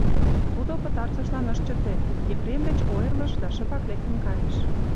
Тудо пытартышлан ыш чыте, Епрем деч ойырлыш да шыпак лектын кайыш.